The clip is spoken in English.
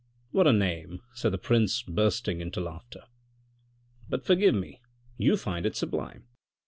" What a name !" said the prince bursting into laughter. " But forgive me, you find it sublime.